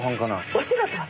お仕事は？